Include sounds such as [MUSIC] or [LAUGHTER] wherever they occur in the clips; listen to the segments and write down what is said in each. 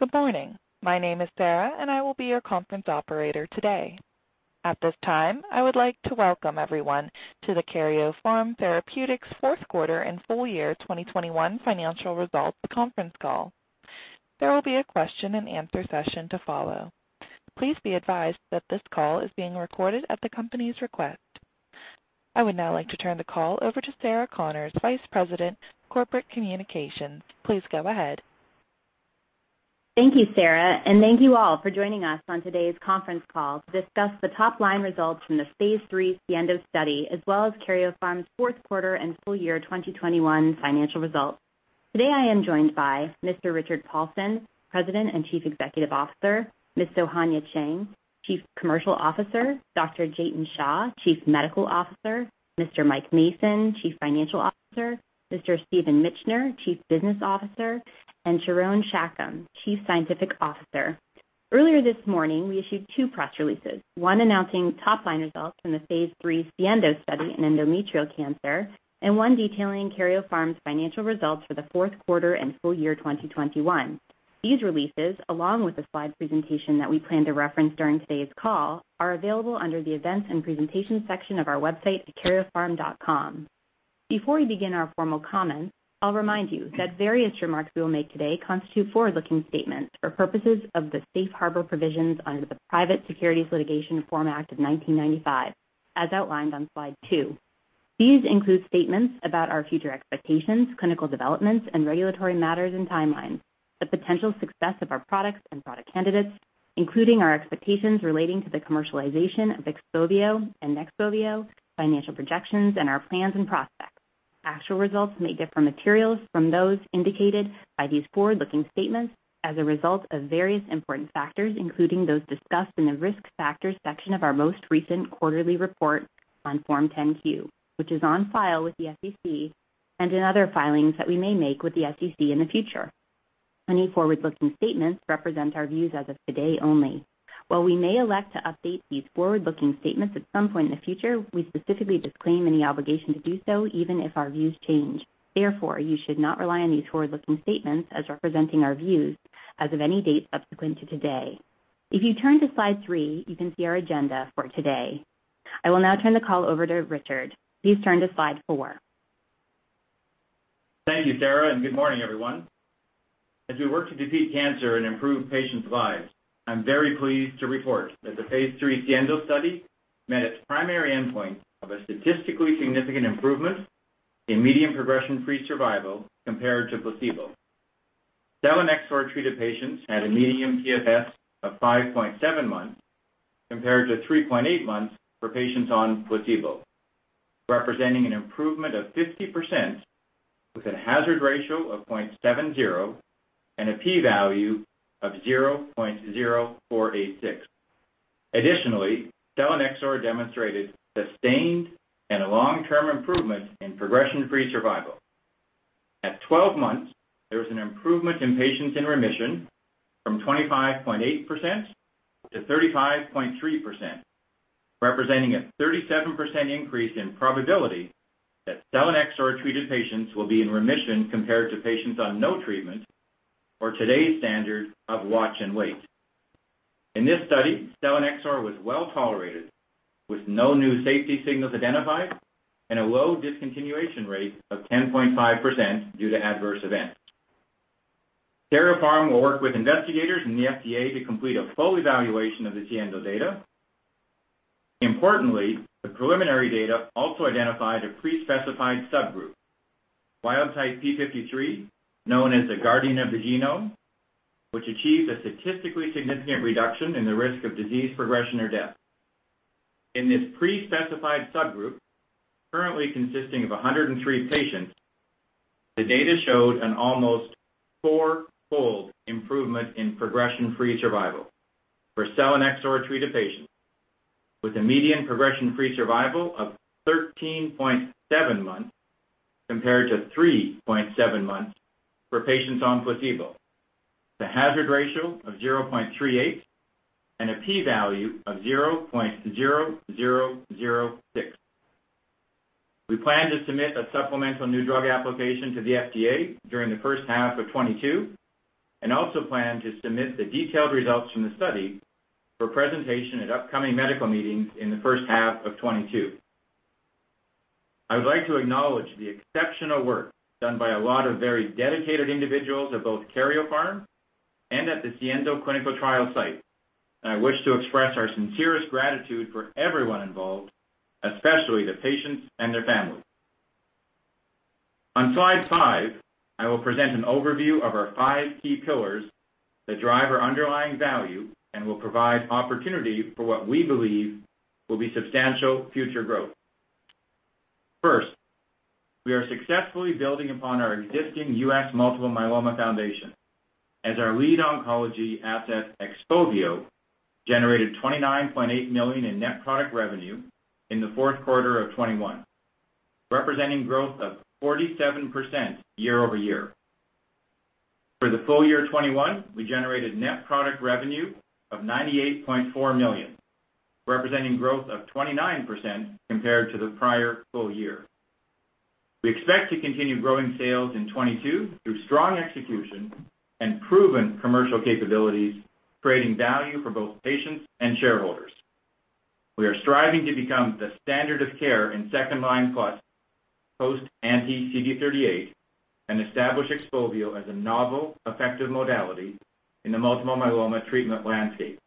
Good morning. My name is Sarah, and I will be your conference operator today. At this time, I would like to welcome everyone to the Karyopharm Therapeutics fourth quarter and full year 2021 financial results conference call. There will be a question and answer session to follow. Please be advised that this call is being recorded at the company's request. I would now like to turn the call over to Sarah Connors, Vice President of Corporate Communications. Please go ahead. Thank you, Sarah, and thank you all for joining us on today's conference call to discuss the top-line results from the phase III SIENDO study, as well as Karyopharm's fourth quarter and full year 2021 financial results. Today, I am joined by Mr. Richard Paulson, President and Chief Executive Officer, Ms. Sohanya Cheng, Chief Commercial Officer, Dr. Jatin Shah, Chief Medical Officer, Mr. Mike Mason, Chief Financial Officer, Mr. Stephen Mitchener, Chief Business Officer, and Sharon Shacham, Chief Scientific Officer. Earlier this morning, we issued two press releases, one announcing top-line results from the phase III SIENDO study in endometrial cancer, and one detailing Karyopharm's financial results for the fourth quarter and full year 2021. These releases, along with the slide presentation that we plan to reference during today's call, are available under the Events and Presentations section of our website at karyopharm.com. Before we begin our formal comments, I'll remind you that various remarks we will make today constitute forward-looking statements for purposes of the Safe Harbor Provisions under the Private Securities Litigation Reform Act of 1995, as outlined on slide two. These include statements about our future expectations, clinical developments and regulatory matters and timelines, the potential success of our products and product candidates, including our expectations relating to the commercialization of XPOVIO and NEXPOVIO, financial projections, and our plans and prospects. Actual results may differ materially from those indicated by these forward-looking statements as a result of various important factors, including those discussed in the Risk Factors section of our most recent quarterly report on Form 10-Q, which is on file with the SEC and in other filings that we may make with the SEC in the future. Any forward-looking statements represent our views as of today only. While we may elect to update these forward-looking statements at some point in the future, we specifically disclaim any obligation to do so, even if our views change. Therefore, you should not rely on these forward-looking statements as representing our views as of any date subsequent to today. If you turn to slide three, you can see our agenda for today. I will now turn the call over to Richard. Please turn to slide four. Thank you, Sarah, and good morning, everyone. As we work to defeat cancer and improve patients' lives, I'm very pleased to report that the phase III SIENDO study met its primary endpoint of a statistically significant improvement in median progression-free survival compared to placebo. Selinexor-treated patients had a median PFS of 5.7 months compared to 3.8 months for patients on placebo, representing an improvement of 50% with a hazard ratio of 0.70 and a P value of 0.0486. Additionally, selinexor demonstrated sustained and long-term improvement in progression-free survival. At 12 months, there was an improvement in patients in remission from 25.8% to 35.3%, representing a 37% increase in probability that selinexor-treated patients will be in remission compared to patients on no treatment or today's standard of watch and wait. In this study, selinexor was well-tolerated, with no new safety signals identified and a low discontinuation rate of 10.5% due to adverse events. Karyopharm will work with investigators and the FDA to complete a full evaluation of the SIENDO data. Importantly, the preliminary data also identified a pre-specified subgroup, biotype P53, known as the guardian of the genome, which achieved a statistically significant reduction in the risk of disease progression or death. In this pre-specified subgroup, currently consisting of 103 patients, the data showed an almost four-fold improvement in progression-free survival for selinexor-treated patients with a median progression-free survival of 13.7 months compared to 3.7 months for patients on placebo, with a hazard ratio of 0.38 and a P-value of 0.0006. We plan to submit a supplemental new drug application to the FDA during the first half of 2022, and also plan to submit the detailed results from the study for presentation at upcoming medical meetings in the first half of 2022. I would like to acknowledge the exceptional work done by a lot of very dedicated individuals at both Karyopharm and at the SIENDO clinical trial site. I wish to express our sincerest gratitude for everyone involved, especially the patients and their families. On slide five, I will present an overview of our five key pillars that drive our underlying value and will provide opportunity for what we believe will be substantial future growth. First, we are successfully building upon our existing U.S. multiple myeloma foundation as our lead oncology asset, XPOVIO, generated $29.8 million in net product revenue in the fourth quarter of 2021, representing growth of 47% year-over-year. For the full year 2021, we generated net product revenue of $98.4 million, representing growth of 29% compared to the prior full year. We expect to continue growing sales in 2022 through strong execution and proven commercial capabilities, creating value for both patients and shareholders. We are striving to become the standard of care in second-line plus post anti-CD38 and establish XPOVIO as a novel, effective modality in the multiple myeloma treatment landscape.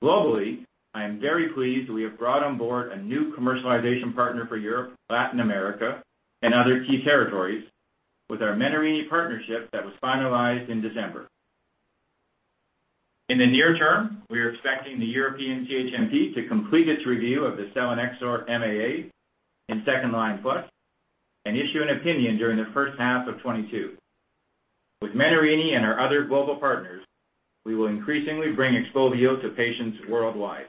Globally, I am very pleased we have brought on board a new commercialization partner for Europe, Latin America, and other key territories with our Menarini partnership that was finalized in December. In the near term, we are expecting the European CHMP to complete its review of the selinexor MAA in second line plus and issue an opinion during the first half of 2022. With Menarini and our other global partners, we will increasingly bring XPOVIO to patients worldwide.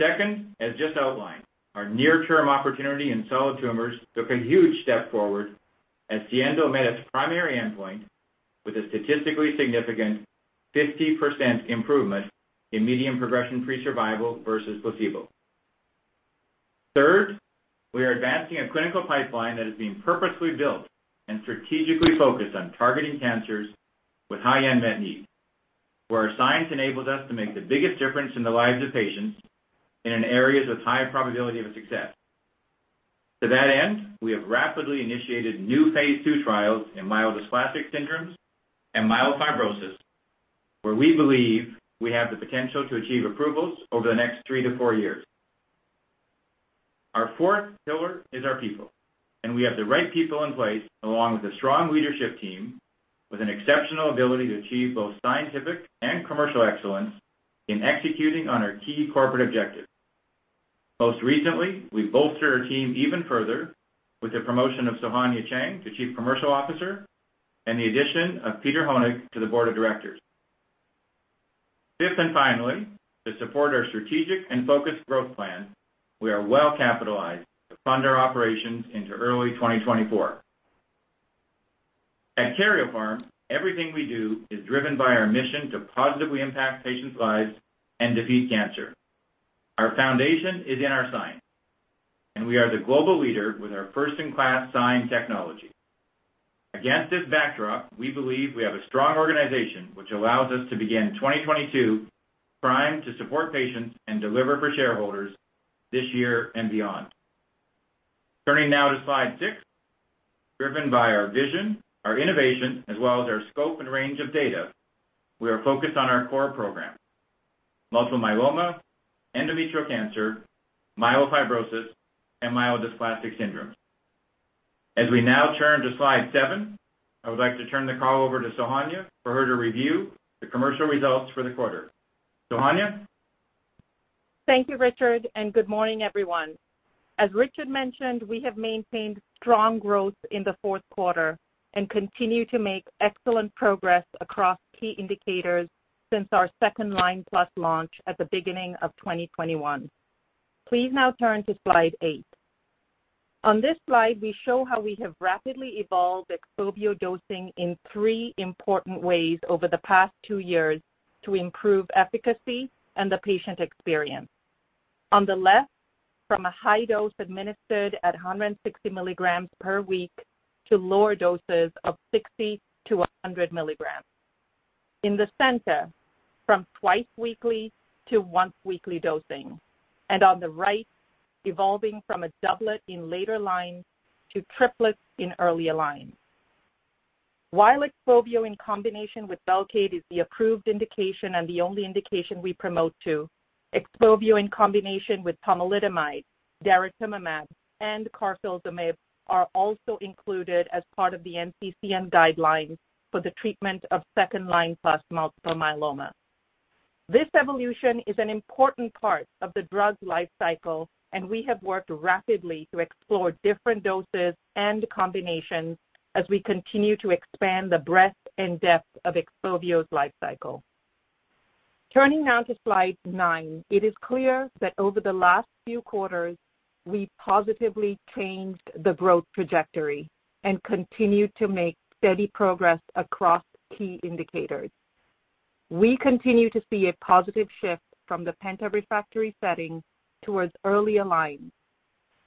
Second, as just outlined, our near-term opportunity in solid tumors took a huge step forward as SIENDO met its primary endpoint with a statistically significant 50% improvement in median progression-free survival versus placebo. Third, we are advancing a clinical pipeline that is being purposefully built and strategically focused on targeting cancers with high unmet need, where our science enables us to make the biggest difference in the lives of patients and in areas with high probability of success. To that end, we have rapidly initiated new phase II trials in myelodysplastic syndromes and myelofibrosis, where we believe we have the potential to achieve approvals over the next three-four years. Our fourth pillar is our people, and we have the right people in place, along with a strong leadership team with an exceptional ability to achieve both scientific and commercial excellence in executing on our key corporate objectives. Most recently, we bolstered our team even further with the promotion of Sohanya Cheng to Chief Commercial Officer and the addition of Peter Honig to the Board of Directors. Fifth, and finally, to support our strategic and focused growth plan, we are well-capitalized to fund our operations into early 2024. At Karyopharm, everything we do is driven by our mission to positively impact patients' lives and defeat cancer. Our foundation is in our science, and we are the global leader with our first-in-class science technology. Against this backdrop, we believe we have a strong organization which allows us to begin 2022 primed to support patients and deliver for shareholders this year and beyond. Turning now to slide six. Driven by our vision, our innovation, as well as our scope and range of data, we are focused on our core programs, multiple myeloma, endometrial cancer, myelofibrosis, and myelodysplastic syndromes. As we now turn to slide seven, I would like to turn the call over to Sohanya for her to review the commercial results for the quarter. Sohanya? Thank you, Richard, and good morning, everyone. As Richard mentioned, we have maintained strong growth in the fourth quarter and continue to make excellent progress across key indicators since our second-line plus launch at the beginning of 2021. Please now turn to slide eight. On this slide, we show how we have rapidly evolved XPOVIO dosing in three important ways over the past two years to improve efficacy and the patient experience. On the left, from a high dose administered at 160 mg per week to lower doses of 60 mg to 100 mg. In the center, from twice-weekly to once-weekly dosing. On the right, evolving from a doublet in later lines to triplets in earlier lines. While XPOVIO in combination with Velcade is the approved indication and the only indication we promote to, XPOVIO in combination with pomalidomide, daratumumab, and carfilzomib are also included as part of the NCCN guidelines for the treatment of second-line plus multiple myeloma. This evolution is an important part of the drug life cycle, and we have worked rapidly to explore different doses and combinations as we continue to expand the breadth and depth of XPOVIO's life cycle. Turning now to slide nine, it is clear that over the last few quarters, we positively changed the growth trajectory and continued to make steady progress across key indicators. We continue to see a positive shift from the pentarefractory setting towards earlier lines,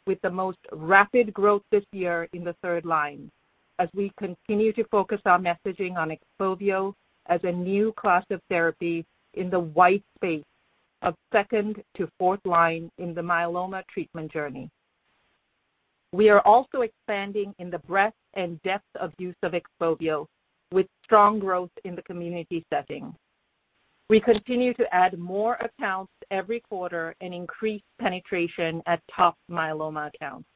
with the most rapid growth this year in the third line, as we continue to focus our messaging on XPOVIO as a new class of therapy in the wide space of second to fourth line in the myeloma treatment journey. We are also expanding in the breadth and depth of use of XPOVIO with strong growth in the community setting. We continue to add more accounts every quarter and increase penetration at top myeloma accounts.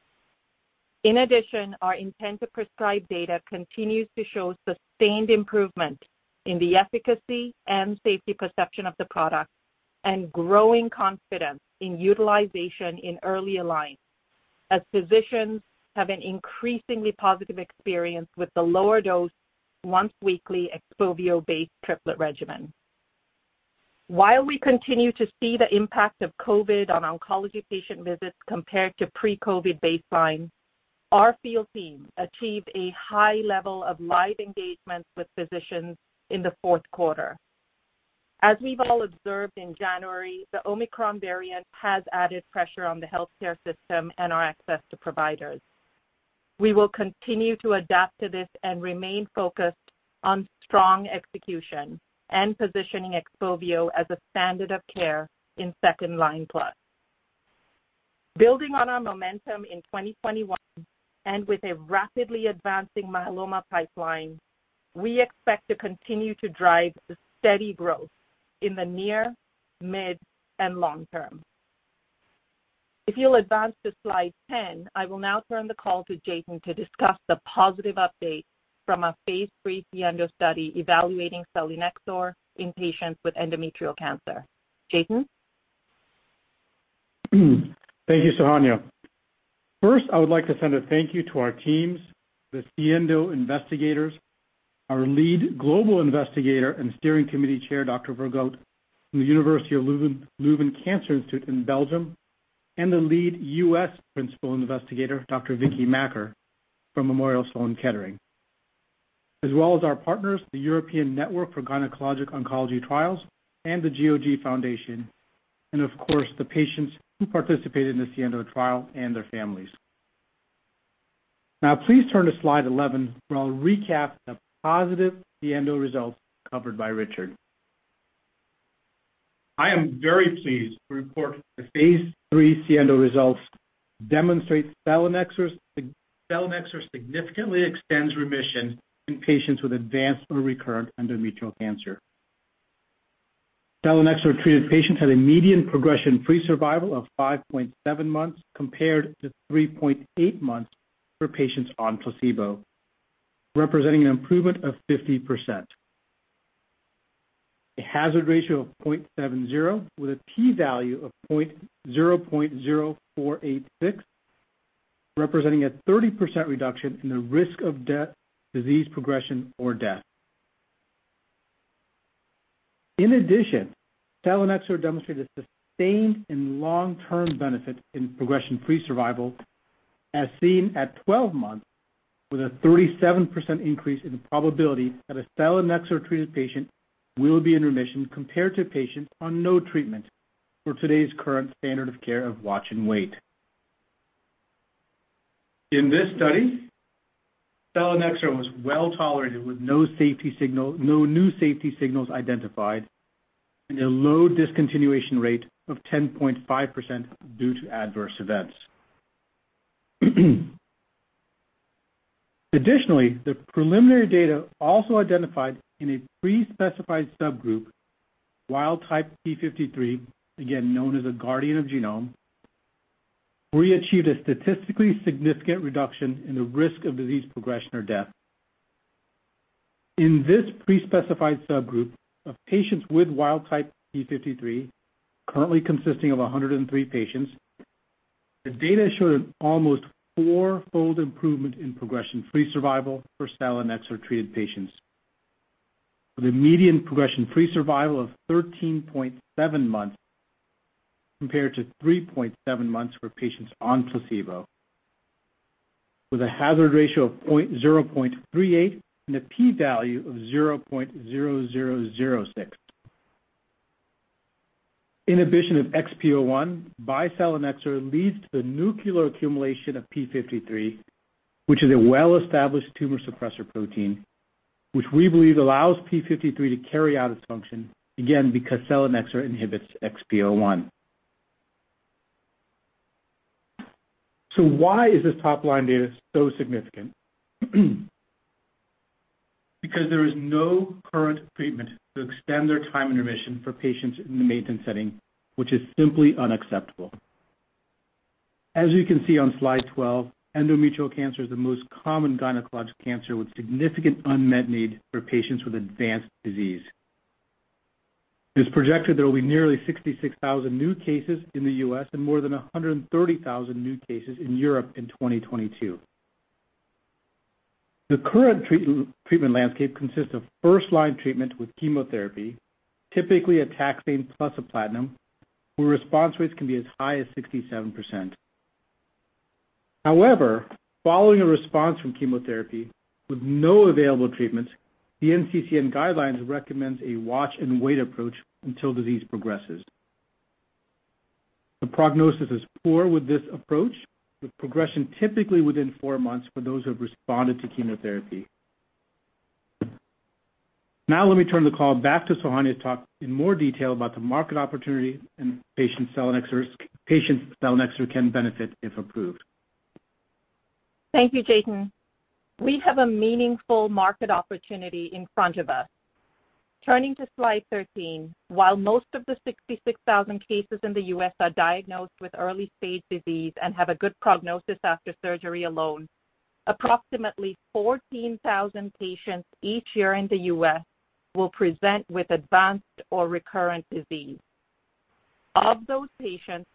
In addition, our intent to prescribe data continues to show sustained improvement in the efficacy and safety perception of the product and growing confidence in utilization in earlier lines as physicians have an increasingly positive experience with the lower dose once-weekly XPOVIO-based triplet regimen. While we continue to see the impact of COVID on oncology patient visits compared to pre-COVID baseline, our field team achieved a high level of live engagement with physicians in the fourth quarter. As we've all observed in January, the Omicron variant has added pressure on the healthcare system and our access to providers. We will continue to adapt to this and remain focused on strong execution and positioning XPOVIO as a standard of care in second-line plus. Building on our momentum in 2021 and with a rapidly advancing myeloma pipeline, we expect to continue to drive steady growth in the near, mid, and long term. If you'll advance to slide 10, I will now turn the call to Jatin to discuss the positive update from our phase III SIENDO study evaluating selinexor in patients with endometrial cancer. Jatin. Thank you, Sohanya. First, I would like to send a thank you to our teams, the SIENDO investigators, our lead global investigator and steering committee chair, Dr. Vergote from the University of Leuven Cancer Institute in Belgium, and the lead U.S. principal investigator, Dr. Vicky Makker from Memorial Sloan Kettering. As well as our partners, the European Network of Gynaecological Oncological Trial groups and the GOG Foundation, and of course, the patients who participated in the SIENDO trial and their families. Now please turn to slide 11, where I'll recap the positive SIENDO results covered by Richard. I am very pleased to report the phase III SIENDO results demonstrate selinexor significantly extends remission in patients with advanced or recurrent endometrial cancer. Selinexor-treated patients had a median progression-free survival of 5.7 months compared to 3.8 months for patients on placebo, representing an improvement of 50%. A hazard ratio of 0.7 with a P value of 0.0486, representing a 30% reduction in the risk of death, disease progression, or death. In addition, selinexor demonstrated sustained and long-term benefit in progression-free survival, as seen at 12 months, with a 37% increase in the probability that a selinexor treated patient will be in remission compared to a patient on no treatment for today's current standard of care of watch and wait. In this study, selinexor was well-tolerated with no safety signal, no new safety signals identified, and a low discontinuation rate of 10.5% due to adverse events. Additionally, the preliminary data also identified in a pre-specified subgroup, wild-type P53, again known as a guardian of the genome, where we achieved a statistically significant reduction in the risk of disease progression or death. In this pre-specified subgroup of patients with wild type P53, currently consisting of 103 patients, the data showed an almost four-fold improvement in progression-free survival for selinexor-treated patients with a median progression-free survival of 13.7 months, compared to 3.7 months for patients on placebo. With a hazard ratio of 0.38 and a P value of 0.0006. Inhibition of XPO1 by selinexor leads to the nuclear accumulation of P53, which is a well-established tumor suppressor protein, which we believe allows P53 to carry out its function, again because selinexor inhibits XPO1. Why is this top-line data so significant? Because there is no current treatment to extend their time in remission for patients in the maintenance setting, which is simply unacceptable. As you can see on slide 12, endometrial cancer is the most common gynecologic cancer with significant unmet need for patients with advanced disease. It is projected there will be nearly 66,000 new cases in the U.S. and more than 130,000 new cases in Europe in 2022. The current treatment landscape consists of first-line treatment with chemotherapy, typically a taxane plus a platinum, where response rates can be as high as 67%. However, following a response from chemotherapy with no available treatments, the NCCN guidelines recommends a watch and wait approach until disease progresses. The prognosis is poor with this approach, with progression typically within four months for those who have responded to chemotherapy. Now let me turn the call back to Sohanya to talk in more detail about the market opportunity and patients selinexor can benefit if approved. Thank you, Jatin. We have a meaningful market opportunity in front of us. Turning to slide 13, while most of the 66,000 cases in the U.S. are diagnosed with early stage disease and have a good prognosis after surgery alone, approximately 14,000 patients each year in the U.S. will present with advanced or recurrent disease. Of those patients,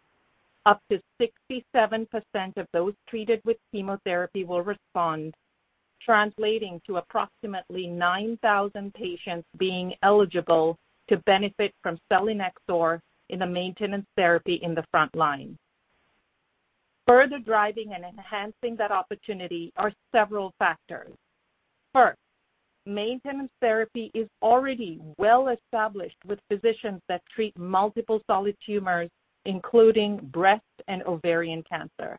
up to 67% of those treated with chemotherapy will respond, translating to approximately 9,000 patients being eligible to benefit from selinexor in a maintenance therapy in the front line. Further driving and enhancing that opportunity are several factors. First, maintenance therapy is already well established with physicians that treat multiple solid tumors, including breast and ovarian cancer.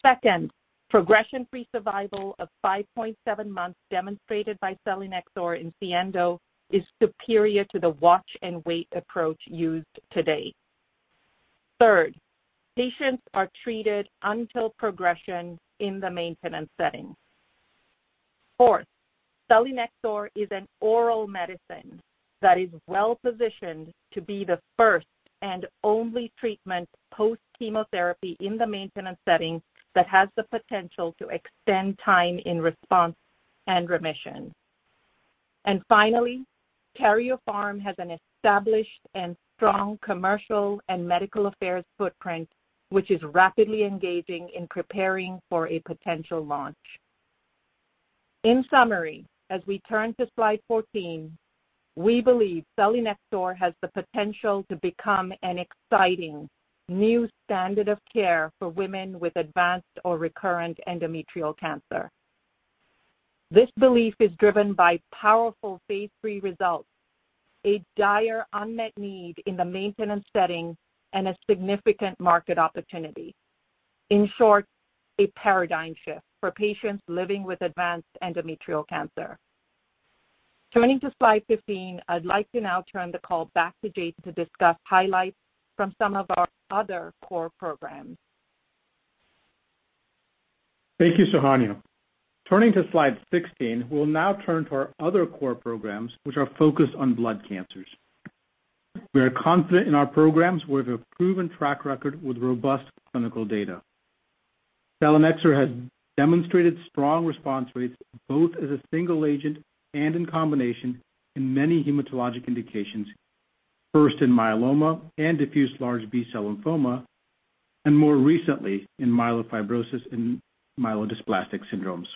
Second, progression-free survival of 5.7 months demonstrated by selinexor in SIENDO is superior to the watch-and-wait approach used today. Third, patients are treated until progression in the maintenance setting. Fourth, selinexor is an oral medicine that is well-positioned to be the first and only treatment post-chemotherapy in the maintenance setting that has the potential to extend time in response and remission. Finally, Karyopharm has an established and strong commercial and medical affairs footprint, which is rapidly engaging in preparing for a potential launch. In summary, as we turn to slide 14, we believe selinexor has the potential to become an exciting new standard of care for women with advanced or recurrent endometrial cancer. This belief is driven by powerful phase III results, a dire unmet need in the maintenance setting, and a significant market opportunity. In short, a paradigm shift for patients living with advanced endometrial cancer. Turning to slide 15, I'd like to now turn the call back to Jatin Shah to discuss highlights from some of our other core programs. Thank you, Sohanya. Turning to slide 16, we'll now turn to our other core programs which are focused on blood cancers. We are confident in our programs with a proven track record with robust clinical data. Selinexor has demonstrated strong response rates, both as a single agent and in combination in many hematologic indications. First in myeloma and diffuse large B-cell lymphoma, and more recently in myelofibrosis and myelodysplastic syndromes.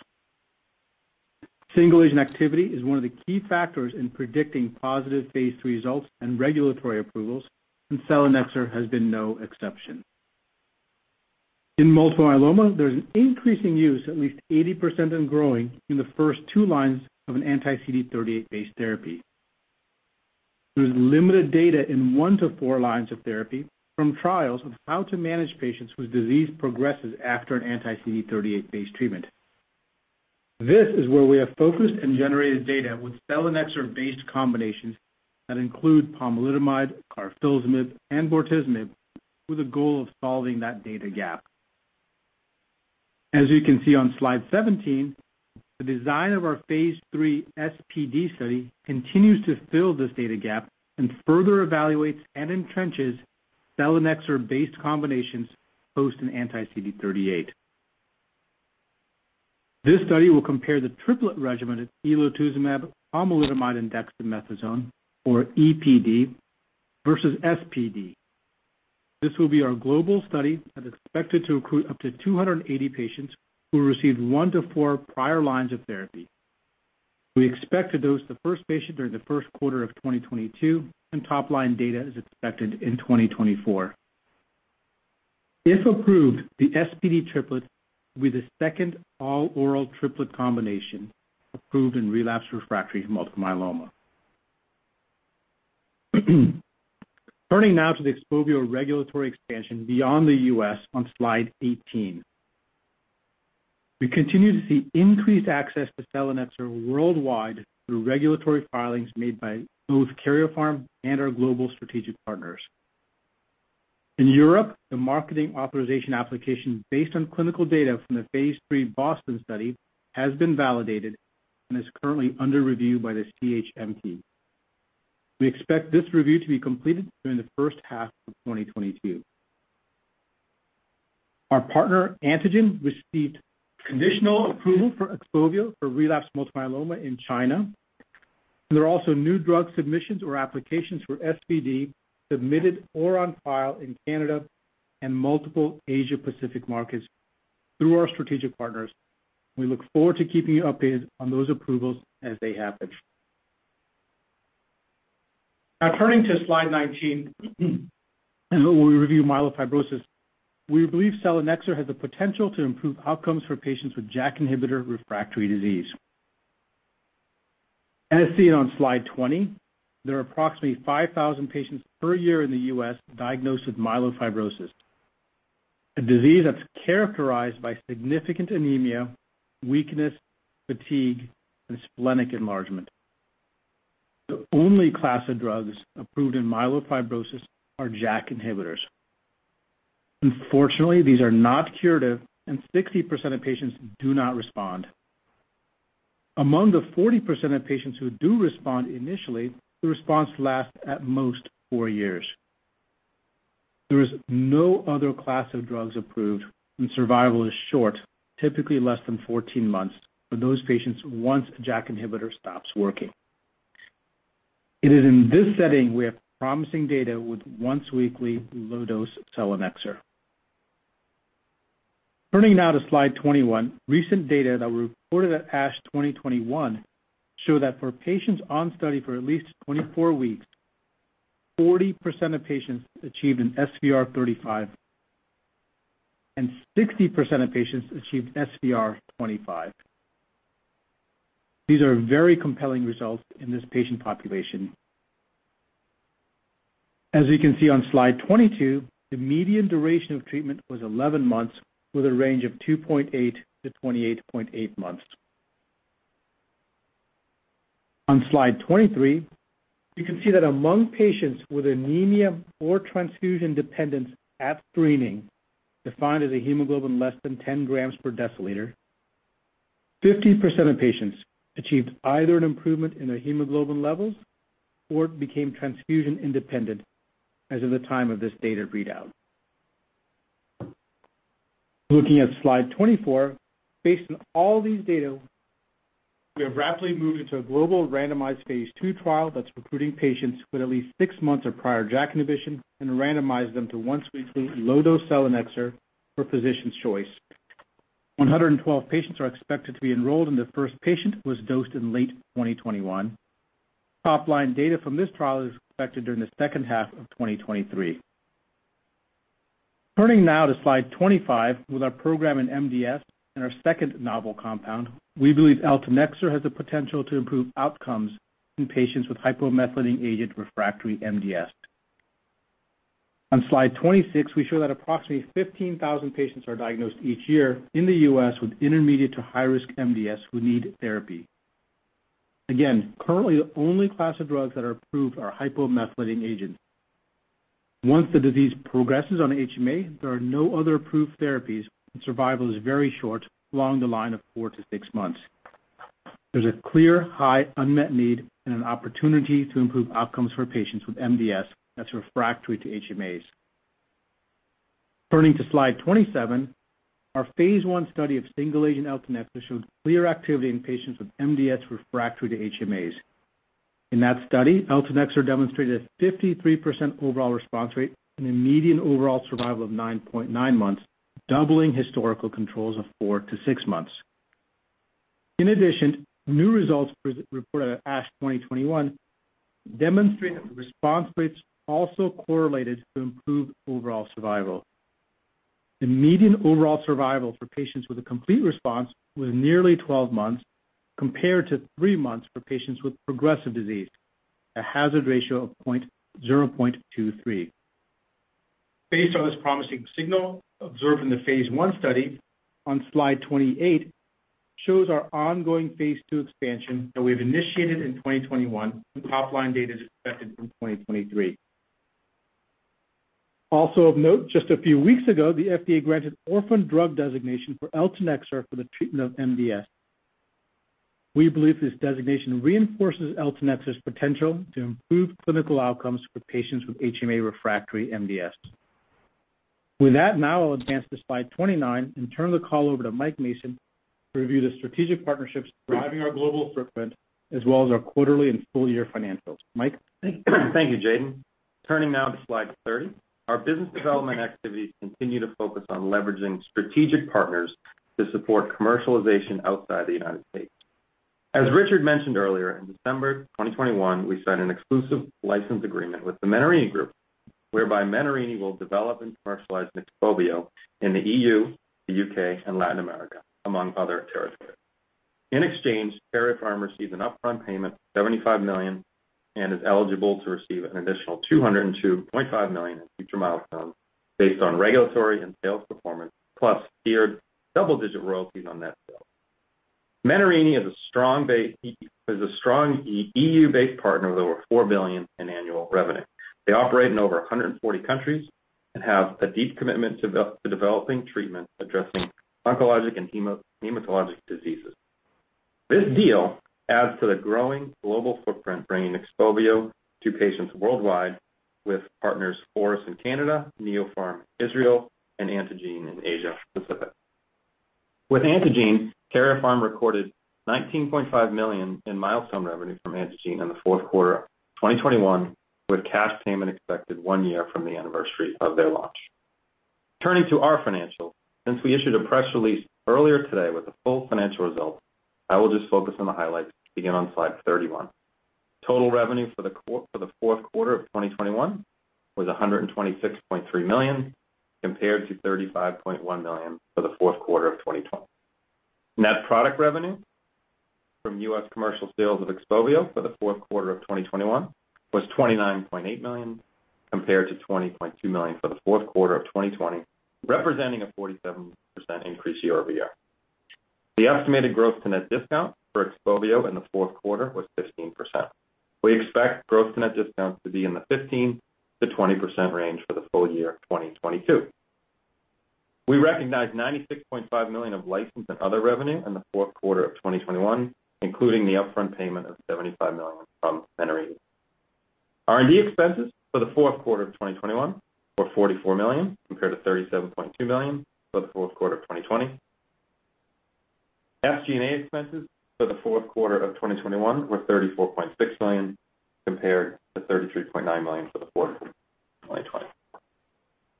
Single-agent activity is one of the key factors in predicting positive phase III results and regulatory approvals, and selinexor has been no exception. In multiple myeloma, there's an increasing use at least 80% and growing in the first two lines of an anti-CD38-based therapy. There's limited data in one to four lines of therapy from trials of how to manage patients whose disease progresses after an anti-CD38-based treatment. This is where we have focused and generated data with selinexor-based combinations that include pomalidomide, carfilzomib, and bortezomib, with a goal of solving that data gap. As you can see on slide 17, the design of our phase III SPD study continues to fill this data gap and further evaluates and entrenches selinexor-based combinations post an anti-CD38. This study will compare the triplet regimen of elotuzumab, pomalidomide, and dexamethasone, or EPD, versus SPD. This will be our global study that's expected to recruit up to 280 patients who received one to four prior lines of therapy. We expect to dose the first patient during the first quarter of 2022, and top-line data is expected in 2024. If approved, the SPD triplet will be the second all-oral triplet combination approved in relapsed refractory multiple myeloma. Turning now to the XPOVIO regulatory expansion beyond the U.S. on slide 18. We continue to see increased access to selinexor worldwide through regulatory filings made by both Karyopharm and our global strategic partners. In Europe, the marketing authorization application based on clinical data from the phase III BOSTON study has been validated and is currently under review by the CHMP. We expect this review to be completed during the first half of 2022. Our partner, Antengene, received conditional approval for XPOVIO for relapsed multiple myeloma in China. There are also new drug submissions or applications for SPD submitted or on file in Canada and multiple Asia-Pacific markets through our strategic partners. We look forward to keeping you updated on those approvals as they happen. Now turning to slide 19, we review myelofibrosis. We believe selinexor has the potential to improve outcomes for patients with JAK inhibitor refractory disease. As seen on slide 20, there are approximately 5,000 patients per year in the U.S. diagnosed with myelofibrosis, a disease that's characterized by significant anemia, weakness, fatigue, and splenic enlargement. The only class of drugs approved in myelofibrosis are JAK inhibitors. Unfortunately, these are not curative, and 60% of patients do not respond. Among the 40% of patients who do respond initially, the response lasts at most four years. There is no other class of drugs approved, and survival is short, typically less than 14 months for those patients once a JAK inhibitor stops working. It is in this setting we have promising data with once-weekly low-dose selinexor. Turning now to slide 21, recent data that were reported at ASH 2021 show that for patients on study for at least 24 weeks. 40% of patients achieved an SVR 35, and 60% of patients achieved an SVR 25. These are very compelling results in this patient population. As you can see on slide 22, the median duration of treatment was 11 months, with a range of 2.8-28.8 months. On slide 23, you can see that among patients with anemia or transfusion dependence at screening, defined as a hemoglobin less than 10 grams per deciliter, 50% of patients achieved either an improvement in their hemoglobin levels or became transfusion independent as of the time of this data readout. Looking at slide 24, based on all these data, we have rapidly moved into a global randomized phase II trial that's recruiting patients with at least six months of prior JAK inhibition and randomized them to once-weekly low-dose selinexor for physician's choice. 112 patients are expected to be enrolled, and the first patient was dosed in late 2021. Top-line data from this trial is expected during the second half of 2023. Turning now to slide 25 with our program in MDS and our second novel compound, we believe eltanexor has the potential to improve outcomes in patients with hypomethylating agent refractory MDS. On slide 26, we show that approximately 15,000 patients are diagnosed each year in the U.S. with intermediate to high-risk MDS who need therapy. Currently the only class of drugs that are approved are hypomethylating agents. Once the disease progresses on HMA, there are no other approved therapies, and survival is very short, along the line of four-six months. There's a clear high unmet need and an opportunity to improve outcomes for patients with MDS that's refractory to HMAs. Turning to slide 27, our phase I study of single-agent eltanexor showed clear activity in patients with MDS refractory to HMAs. In that study, eltanexor demonstrated a 53% overall response rate and a median overall survival of 9.9 months, doubling historical controls of four-six months. In addition, new results presented at ASH 2021 demonstrate that the response rates also correlated to improved overall survival. The median overall survival for patients with a complete response was nearly 12 months, compared to three months for patients with progressive disease, a hazard ratio of 0.23. Based on this promising signal observed in the phase I study on slide 28 shows our ongoing phase II expansion that we've initiated in 2021, with top-line data expected in 2023. Also of note, just a few weeks ago, the FDA granted orphan drug designation for eltanexor for the treatment of MDS. We believe this designation reinforces eltanexor's potential to improve clinical outcomes for patients with HMA-refractory MDS. With that, now I'll advance to slide 29 and turn the call over to Mike Mason to review the strategic partnerships driving our global footprint, as well as our quarterly and full-year financials. Mike? Thank you, Jatin. Turning now to slide 30. Our business development activities continue to focus on leveraging strategic partners to support commercialization outside the United States. As Richard mentioned earlier, in December 2021, we signed an exclusive license agreement with the Menarini Group, whereby Menarini will develop and commercialize XPOVIO in the E.U., the U.K., and Latin America, among other territories. In exchange, Karyopharm receives an upfront payment of $75 million and is eligible to receive an additional $202.5 million in future milestones based on regulatory and sales performance, plus tiered double-digit royalties on net sales. Menarini is a strong E.U.-based partner with over $4 billion in annual revenue. They operate in over 140 countries and have a deep commitment to developing treatments addressing oncologic and hematologic diseases. This deal adds to the growing global footprint, bringing XPOVIO to patients worldwide with partners FORUS in Canada, Neopharm in Israel, and Antengene in Asia Pacific. With Antengene, Karyopharm recorded $19.5 million in milestone revenue from Antengene in the fourth quarter of 2021, with cash payment expected one year from the anniversary of their launch. Turning to our financials, since we issued a press release earlier today with the full financial results, I will just focus on the highlights beginning on slide 31. Total revenue for the fourth quarter of 2021 was $126.3 million, compared to $35.1 million for the fourth quarter of 2020. Net product revenue from U.S. commercial sales of XPOVIO for the fourth quarter of 2021 was $29.8 million, compared to $20.2 million for the fourth quarter of 2020, representing a 47% increase year-over-year. The estimated gross-to-net discount for XPOVIO in the fourth quarter was 15%. We expect gross-to-net discounts to be in the 15%-20% range for the full year of 2022. We recognized $96.5 million of license and other revenue in the fourth quarter of 2021, including the upfront payment of $75 million from Menarini. R&D expenses for the fourth quarter of 2021 were $44 million, compared to $37.2 million for the fourth quarter of 2020. SG&A expenses for the fourth quarter of 2021 were $34.6 million, compared to $33.9 million for the fourth quarter of 2020.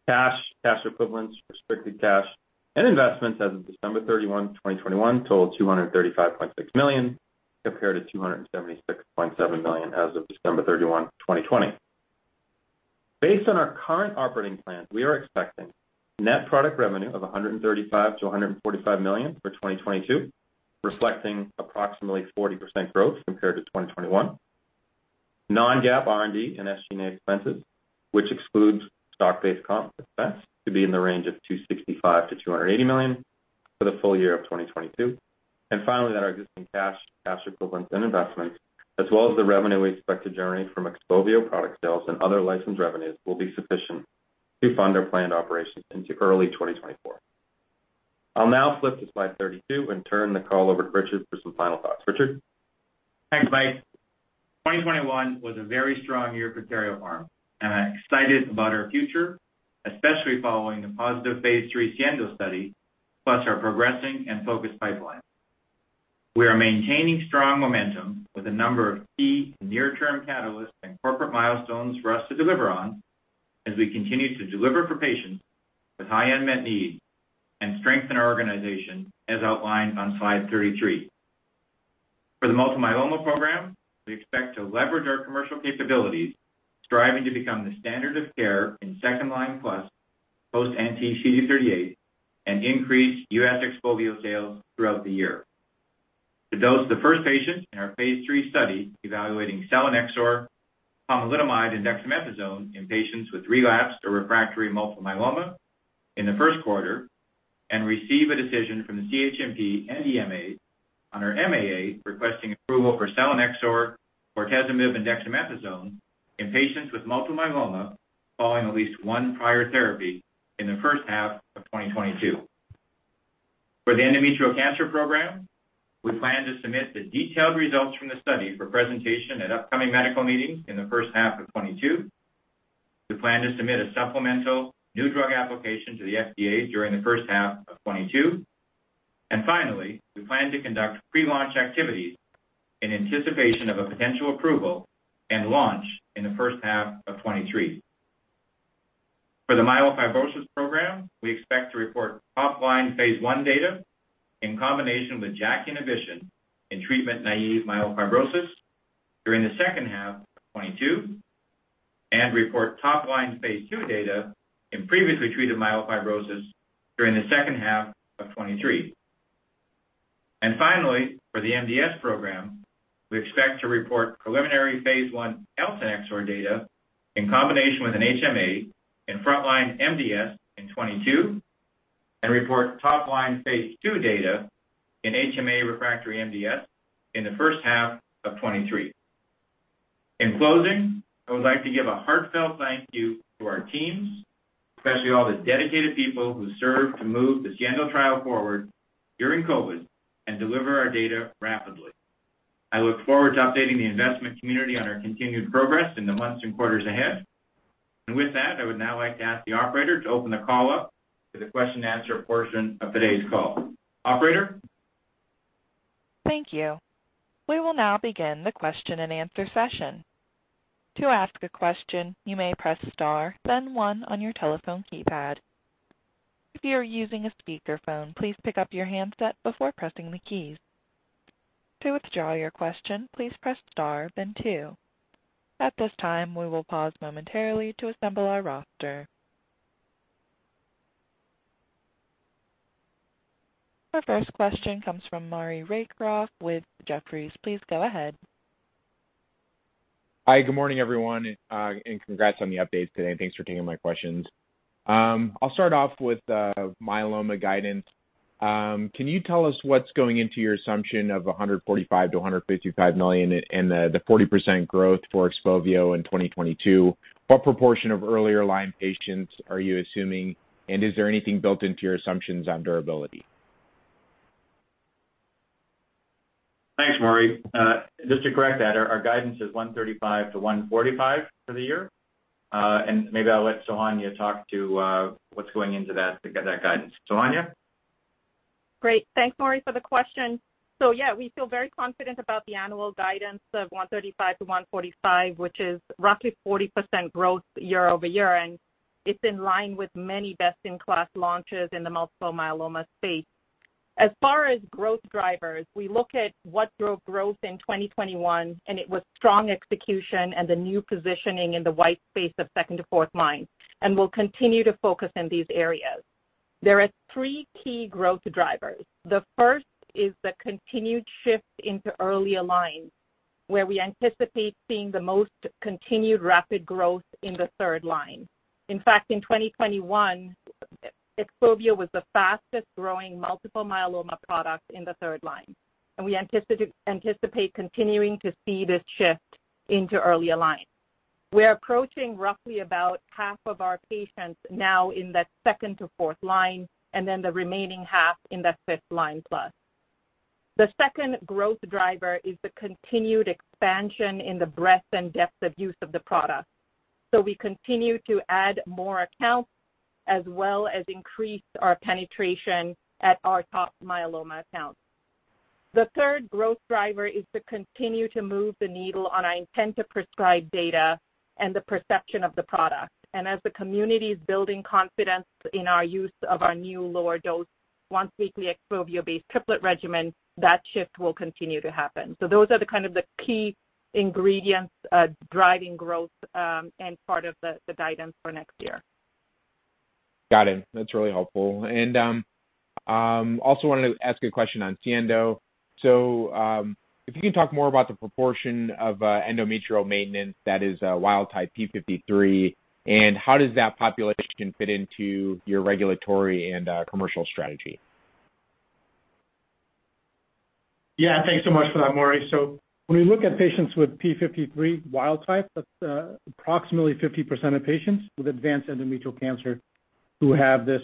Cash, cash equivalents, restricted cash and investments as of December 31, 2021, totaled $235.6 million, compared to $276.7 million as of December 31, 2020. Based on our current operating plan, we are expecting net product revenue of $135 million-$145 million for 2022, reflecting approximately 40% growth compared to 2021. Non-GAAP R&D and SG&A expenses, which excludes stock-based comp expense, to be in the range of $265 million-$280 million for the full year of 2022. Finally, that our existing cash equivalents and investments, as well as the revenue we expect to generate from XPOVIO product sales and other licensed revenues, will be sufficient to fund our planned operations into early 2024. I'll now flip to slide 32 and turn the call over to Richard for some final thoughts. Richard? Thanks, Mike. 2021 was a very strong year for Karyopharm, and I'm excited about our future, especially following the positive phase III SIENDO study, plus our progressing and focused pipeline. We are maintaining strong momentum with a number of key near-term catalysts and corporate milestones for us to deliver on as we continue to deliver for patients with high unmet need and strengthen our organization as outlined on slide 33. For the multiple myeloma program, we expect to leverage our commercial capabilities, striving to become the standard of care in second-line plus post-anti-CD38 and increase U.S. XPOVIO sales throughout the year. To dose the first patient in our phase III study evaluating selinexor, pomalidomide, and dexamethasone in patients with relapsed or refractory multiple myeloma in the first quarter and receive a decision from the CHMP and EMA on our MAA requesting approval for selinexor, bortezomib, and dexamethasone in patients with multiple myeloma following at least one prior therapy in the first half of 2022. For the endometrial cancer program, we plan to submit the detailed results from the study for presentation at upcoming medical meetings in the first half of 2022. We plan to submit a supplemental new drug application to the FDA during the first half of 2022. Finally, we plan to conduct pre-launch activities in anticipation of a potential approval and launch in the first half of 2023. For the myelofibrosis program, we expect to report top-line phase I data in combination with JAK inhibition in treatment-naive myelofibrosis during the second half of 2022 and report top-line phase II data in previously treated myelofibrosis during the second half of 2023. Finally, for the MDS program, we expect to report preliminary phase I eltanexor data in combination with an HMA in frontline MDS in 2022 and report top-line phase II data in HMA refractory MDS in the first half of 2023. In closing, I would like to give a heartfelt thank you to our teams, especially all the dedicated people who served to move the SIENDO trial forward during COVID and deliver our data rapidly. I look forward to updating the investment community on our continued progress in the months and quarters ahead. With that, I would now like to ask the operator to open the call up to the question and answer portion of today's call. Operator? Thank you. We will now begin the question and answer session. To ask a question, you may press star then one on your telephone keypad. If you are using a speakerphone, please pick up your handset before pressing the keys. To withdraw your question, please press star then two. At this time, we will pause momentarily to assemble our roster. Our first question comes from Maury Raycroft with Jefferies. Please go ahead. Hi, good morning, everyone, and congrats on the updates today, and thanks for taking my questions. I'll start off with myeloma guidance. Can you tell us what's going into your assumption of $145 million-$155 million and the 40% growth for XPOVIO in 2022? What proportion of earlier line patients are you assuming, and is there anything built into your assumptions on durability? Thanks, Maury. Just to correct that, our guidance is $135 million-$145 million for the year. Maybe I'll let Sohanya talk to what's going into that to get that guidance. Sohanya? Great. Thanks, Maury, for the question. Yeah, we feel very confident about the annual guidance of $135 million-$145 million, which is roughly 40% growth year-over-year, and it's in line with many best-in-class launches in the multiple myeloma space. As far as growth drivers, we look at what drove growth in 2021, and it was strong execution and the new positioning in the white space of second to fourth line, and we'll continue to focus in these areas. There are three key growth drivers. The first is the continued shift into earlier lines, where we anticipate seeing the most continued rapid growth in the third line. In fact, in 2021, XPOVIO was the fastest growing multiple myeloma product in the third line, and we anticipate continuing to see this shift into earlier lines. We are approaching roughly about half of our patients now in that second to fourth line, and then the remaining half in that fifth line plus. The second growth driver is the continued expansion in the breadth and depth of use of the product. We continue to add more accounts as well as increase our penetration at our top myeloma accounts. The third growth driver is to continue to move the needle on our intent to prescribe data and the perception of the product. As the community is building confidence in our use of our new lower dose once weekly XPOVIO-based triplet regimen, that shift will continue to happen. Those are the kind of the key ingredients driving growth and part of the guidance for next year. Got it. That's really helpful. Also wanted to ask a question on SIENDO. If you could talk more about the proportion of endometrial maintenance that is wild-type P53, and how does that population fit into your regulatory and commercial strategy? Yeah, thanks so much for that, Maury. When we look at patients with P53 wild type, that's approximately 50% of patients with advanced endometrial cancer who have this.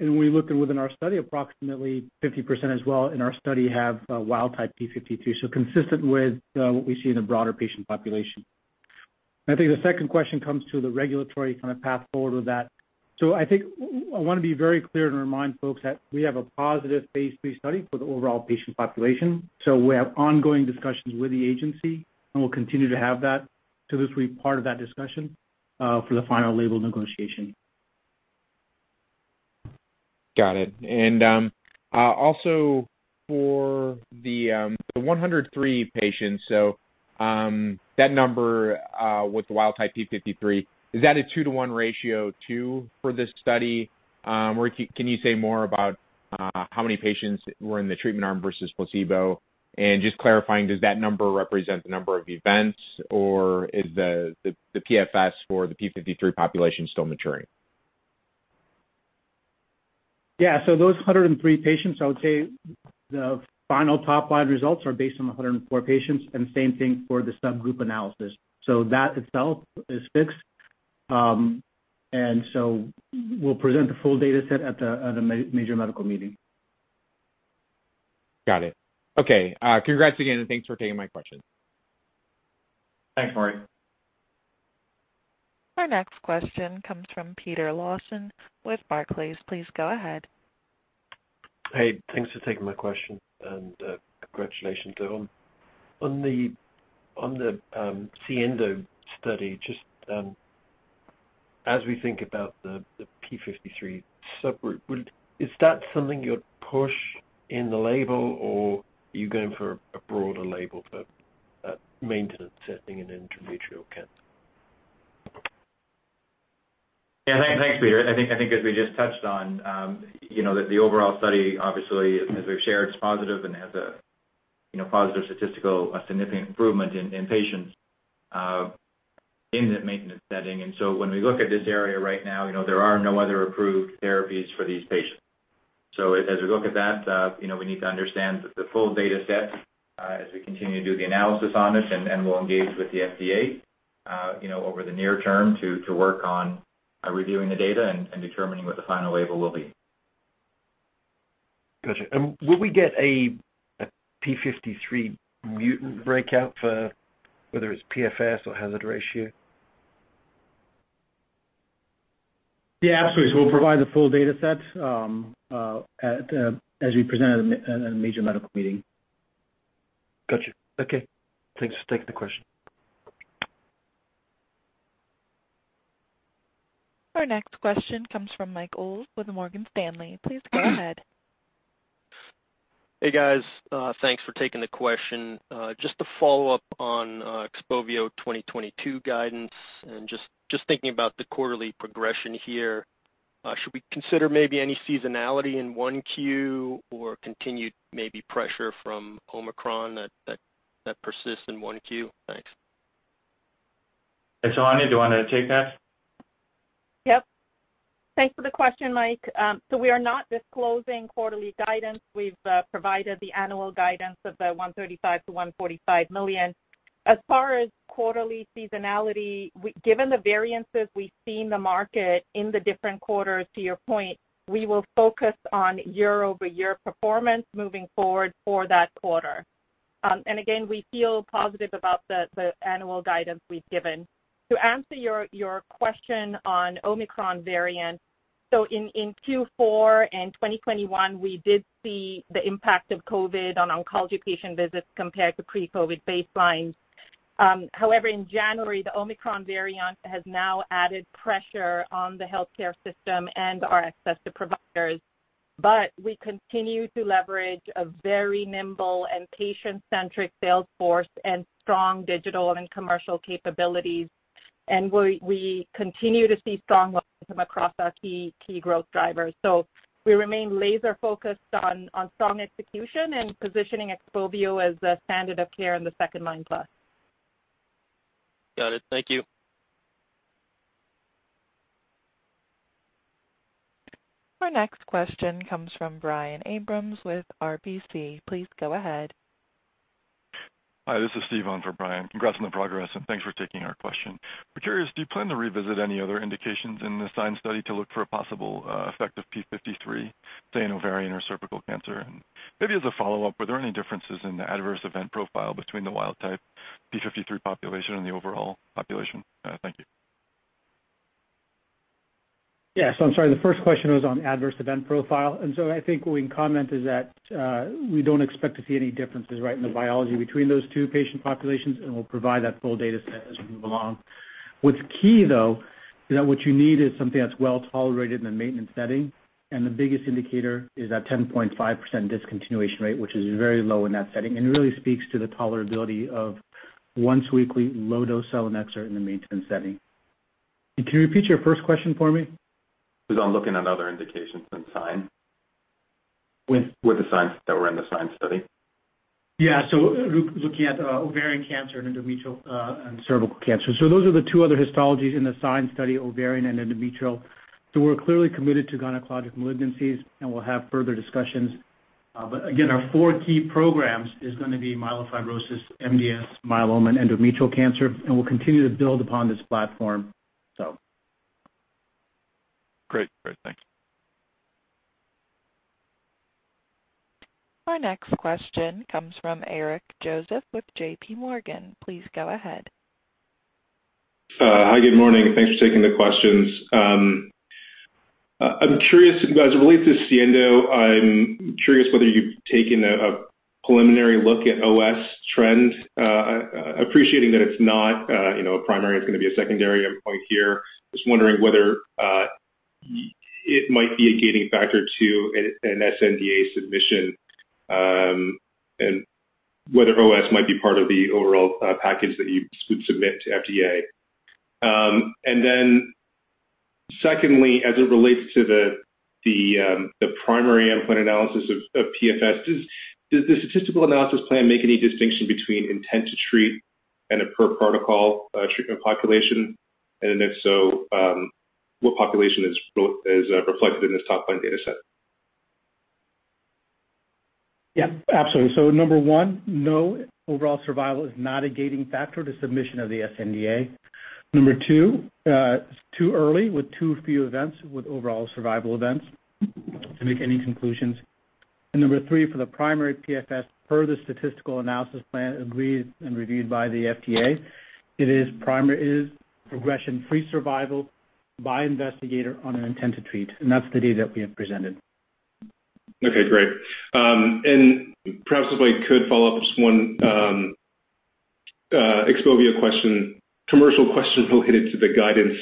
We look within our study, approximately 50% as well in our study have a wild type P53. Consistent with what we see in the broader patient population. I think the second question comes to the regulatory kind of path forward with that. I think I wanna be very clear to remind folks that we have a positive phase III study for the overall patient population. We have ongoing discussions with the agency, and we'll continue to have that to this part of that discussion for the final label negotiation. Got it. Also for the 103 patients, that number with the wild type P53, is that a 2-to-1 ratio too for this study? Can you say more about how many patients were in the treatment arm versus placebo? Just clarifying, does that number represent the number of events, or is the PFS for the P53 population still maturing? Yeah. Those 103 patients, I would say the final top line results are based on 104 patients and same thing for the subgroup analysis. That itself is fixed. We'll present the full data set at a major medical meeting. Got it. Okay. Congrats again, and thanks for taking my question. Thanks, Maury. Our next question comes from Peter Lawson with Barclays. Please go ahead. Hey, thanks for taking my question, and, congratulations. On the SIENDO study, just as we think about the P53 subgroup, is that something you'd push in the label, or are you going for a broader label for maintenance setting in endometrial cancer? Yeah. Thanks, Peter. I think as we just touched on, you know, the overall study obviously, as we've shared, is positive and has a positive statistically significant improvement in patients in the maintenance setting. When we look at this area right now, there are no other approved therapies for these patients. As we look at that, we need to understand the full data set as we continue to do the analysis on this, and we'll engage with the FDA, over the near term to work on reviewing the data and determining what the final label will be. Will we get a P53 mutant breakout for whether it's PFS or hazard ratio? Yeah, absolutely. We'll provide the full data set, as we present at a major medical meeting. Got you. Okay. Thanks for taking the question. Our next question comes from Michael Ulz with Morgan Stanley. Please go ahead. Hey, guys. Thanks for taking the question. Just to follow up on XPOVIO 2022 guidance and just thinking about the quarterly progression here, should we consider maybe any seasonality in 1Q or continued maybe pressure from Omicron that persists in 1Q? Thanks. Hey, Sohanya, do you wanna take that? Yep. Thanks for the question, Mike. So we are not disclosing quarterly guidance. We've provided the annual guidance of $135 million-$145 million. As far as quarterly seasonality, given the variances we see in the market in the different quarters to your point, we will focus on year-over-year performance moving forward for that quarter. Again, we feel positive about the annual guidance we've given. To answer your question on Omicron variant, in Q4 and 2021, we did see the impact of COVID on oncology patient visits compared to pre-COVID baselines. However, in January, the Omicron variant has now added pressure on the healthcare system and our access to providers. We continue to leverage a very nimble and patient-centric sales force and strong digital and commercial capabilities. We continue to see strong momentum across our key growth drivers. We remain laser focused on strong execution and positioning XPOVIO as a standard of care in the second-line plus. Got it. Thank you. Our next question comes from Brian Abrahams with RBC Capital Markets. Please go ahead. Hi. This is Steve on for Brian. Congrats on the progress, and thanks for taking our question. We're curious, do you plan to revisit any other indications in the SIENDO study to look for a possible effect of P53, say, in ovarian or cervical cancer? Maybe as a follow-up, were there any differences in the adverse event profile between the wild type P53 population and the overall population? Thank you. Yes, I'm sorry. The first question was on adverse event profile. I think what we can comment is that, we don't expect to see any differences, right, in the biology between those two patient populations, and we'll provide that full data set as we move along. What's key, though, is that what you need is something that's well-tolerated in a maintenance setting, and the biggest indicator is that 10.5% discontinuation rate, which is very low in that setting and really speaks to the tolerability of once-weekly low-dose selinexor in the maintenance setting. Can you repeat your first question for me? It was on looking at other indications than SIENDO. With the SIENDO that were in the SIENDO study. Looking at ovarian cancer and endometrial and cervical cancer. Those are the two other histologies in the SIENDO study, ovarian and endometrial. We're clearly committed to gynecologic malignancies, and we'll have further discussions. But again, our four key programs is gonna be myelofibrosis, MDS, myeloma, and endometrial cancer, and we'll continue to build upon this platform. Great. Thanks. Our next question comes from Eric Joseph with JPMorgan. Please go ahead. Hi, good morning. Thanks for taking the questions. I'm curious as it relates to SIENDO. I'm curious whether you've taken a preliminary look at OS trends, appreciating that it's not a primary. It's gonna be a secondary endpoint here. Just wondering whether it might be a gating factor to an sNDA submission, and whether OS might be part of the overall package that you submit to FDA. And then secondly, as it relates to the primary endpoint analysis of PFS, does the statistical analysis plan make any distinction between intent to treat and a per protocol treatment population? And if so, what population is reflected in this top line data set? Yeah, absolutely. Number one, no overall survival is not a gating factor to submission of the sNDA. Number two, it's too early with too few events with overall survival events to make any conclusions. Number three, for the primary PFS per the statistical analysis plan agreed and reviewed by the FDA, it is progression-free survival by investigator on an intent to treat, and that's the data we have presented. Okay, great. Perhaps if I could follow up just one XPOVIO question, commercial question related to the guidance,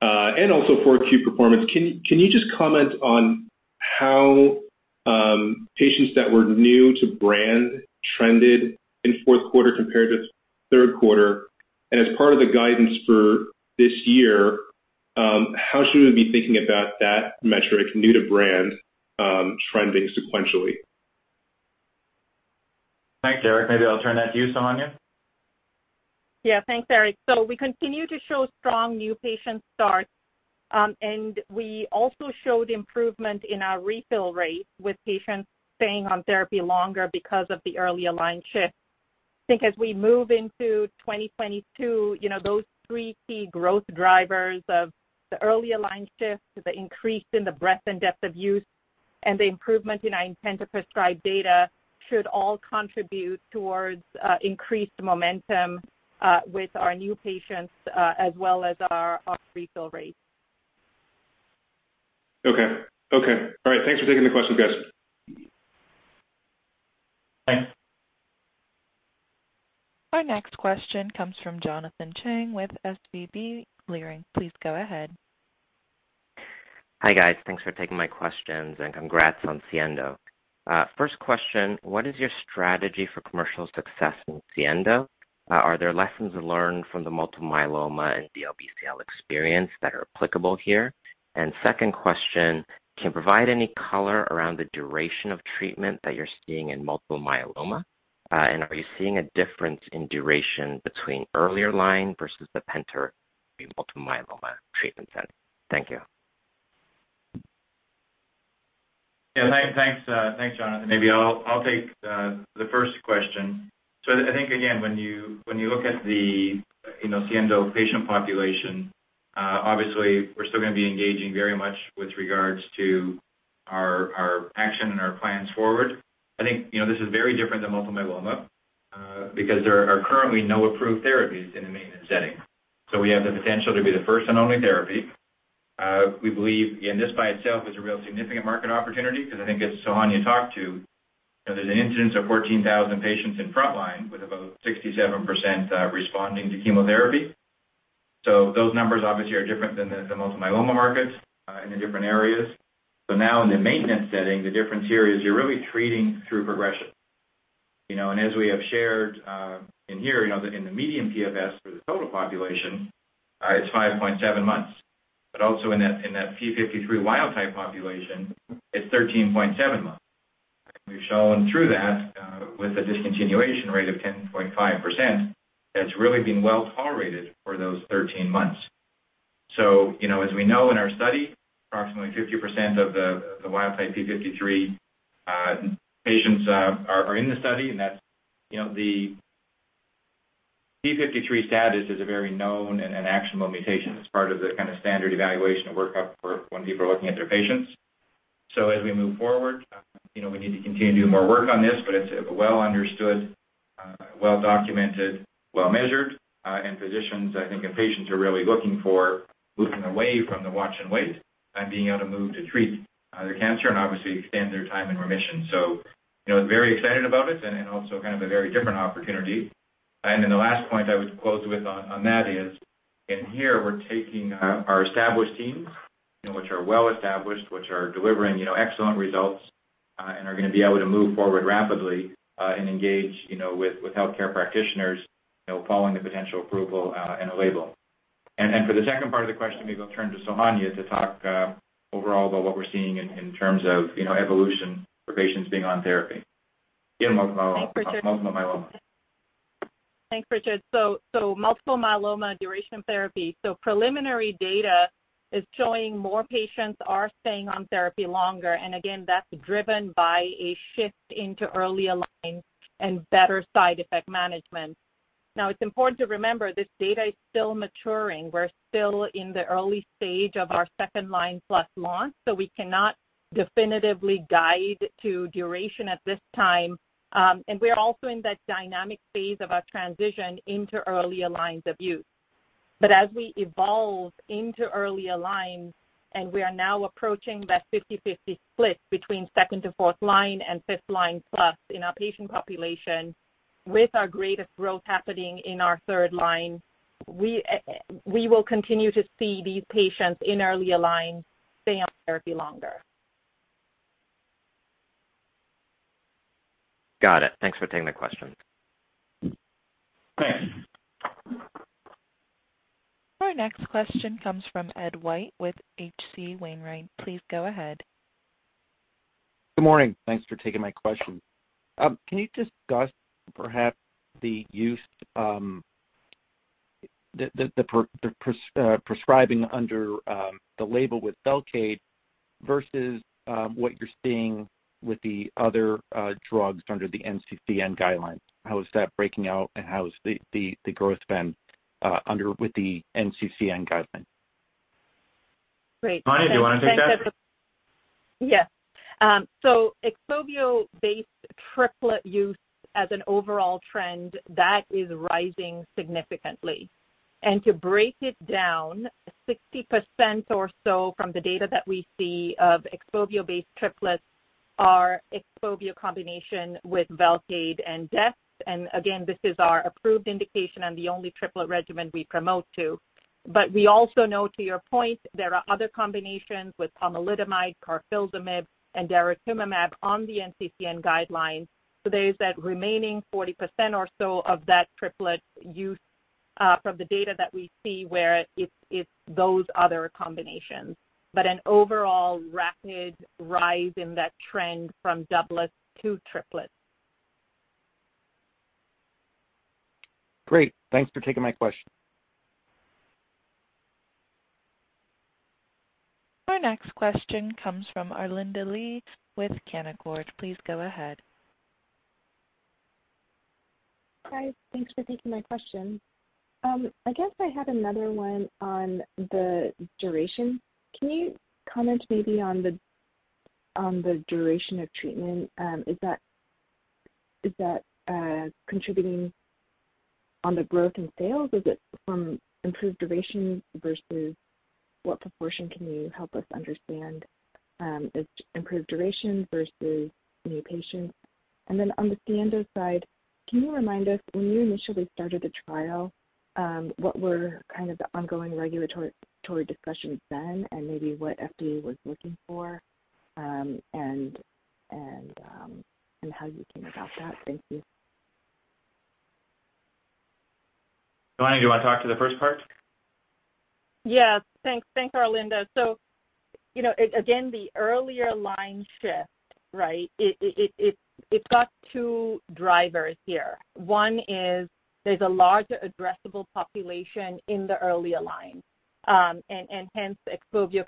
and also for Q4 performance. Can you just comment on how patients that were new to brand trended in fourth quarter compared to third quarter? As part of the guidance for this year, how should we be thinking about that metric new to brand trending sequentially? Thanks, Eric. Maybe I'll turn that to you, Sohanya. Yeah, thanks, Eric. We continue to show strong new patient starts, and we also showed improvement in our refill rate with patients staying on therapy longer because of the earlier line shift. I think as we move into 2022, those three key growth drivers of the earlier line shift, the increase in the breadth and depth of use, and the improvement in our intent to prescribe data should all contribute towards increased momentum with our new patients as well as our refill rates. Okay. All right. Thanks for taking the questions, guys. Thanks. Our next question comes from Jonathan Chang with Leerink Partners. Please go ahead. Hi, guys. Thanks for taking my questions and congrats on SIENDO. First question, what is your strategy for commercial success in SIENDO? Are there lessons learned from the multiple myeloma and DLBCL experience that are applicable here? Second question, can you provide any color around the duration of treatment that you're seeing in multiple myeloma? Are you seeing a difference in duration between earlier line versus the penta multiple myeloma treatment setting? Thank you. Yeah. Thanks, Jonathan. Maybe I'll take the first question. I think, again, when you look at the SIENDO patient population, obviously we're still gonna be engaging very much with regards to our action and our plans forward. I think this is very different than multiple myeloma, because there are currently no approved therapies in a maintenance setting. We have the potential to be the first and only therapy. We believe, and this by itself is a real significant market opportunity because I think as Sohanya talked to, there's an incidence of 14,000 patients in frontline with about 67% responding to chemotherapy. Those numbers obviously are different than the multiple myeloma markets in the different areas. Now in the maintenance setting, the difference here is you're really treating through progression. As we have shared, in here, in the median PFS for the total population, it's 5.7 months. But also in that P53 wild type population, it's 13.7 months. We've shown through that, with a discontinuation rate of 10.5%, that it's really been well tolerated for those 13 months. As we know in our study, approximately 50% of the wild type P53 patients are in the study, and the P53 status is a very known and an actionable mutation. It's part of the kinda standard evaluation workup for when people are looking at their patients. As we move forward, we need to continue to do more work on this, but it's a well understood, well documented, well measured, and physicians, I think, and patients are really looking for moving away from the watch and wait and being able to move to treat their cancer and obviously extend their time in remission. You know, very excited about it and also kind of a very different opportunity. Then the last point I would close with on that is in here, we're taking our established teams, which are well established, which are delivering excellent results, and are gonna be able to move forward rapidly, and engage with healthcare practitioners, following the potential approval in a label. For the second part of the question, maybe I'll turn to Sohanya to talk overall about what we're seeing in terms of evolution for patients being on therapy in multiple myeloma. Thanks, Richard. Multiple myeloma duration therapy. Preliminary data is showing more patients are staying on therapy longer, and again, that's driven by a shift into earlier lines and better side effect management. Now, it's important to remember this data is still maturing. We're still in the early stage of our second line plus launch, so we cannot definitively guide to duration at this time, and we're also in that dynamic phase of our transition into earlier lines of use. As we evolve into earlier lines, and we are now approaching that 50-50 split between second to fourth line and fifth line plus in our patient population, with our greatest growth happening in our third line, we will continue to see these patients in earlier lines stay on therapy longer. Got it. Thanks for taking the question. [AUDIO DISTORTION] Our next question comes from Ed White with H.C. Wainwright. Please go ahead. Good morning. Thanks for taking my question. Can you discuss perhaps the use, the prescribing under the label with Velcade versus what you're seeing with the other drugs under the NCCN guidelines? How is that breaking out, and how has the growth been under with the NCCN guidelines? Great. Sohanya, do you wanna take that? Yes. XPOVIO-based triplet use as an overall trend, that is rising significantly. To break it down, 60% or so from the data that we see of XPOVIO-based triplets are XPOVIO combination with Velcade and dex. Again, this is our approved indication and the only triplet regimen we promote to. We also know, to your point, there are other combinations with pomalidomide, carfilzomib, and daratumumab on the NCCN guidelines. There is that remaining 40% or so of that triplet use, from the data that we see where it's those other combinations. An overall rapid rise in that trend from doublets to triplets. Great. Thanks for taking my question. Our next question comes from Arlinda Lee with Canaccord Genuity. Please go ahead. Hi. Thanks for taking my question. I guess I had another one on the duration. Can you comment maybe on the, on the duration of treatment? Is that contributing on the growth in sales? Is it from improved duration versus what proportion can you help us understand, the improved duration versus new patients? And then on the SIENDO side, can you remind us, when you initially started the trial, what were kind of the ongoing regulatory discussions then and maybe what FDA was looking for, and how you came about that? Thank you. Sohanya, do you wanna talk to the first part? Yes. Thanks. Thanks, Arlinda. Again, the earlier line shift, right, it's got two drivers here. One is there's a larger addressable population in the earlier lines, and hence, XPOVIO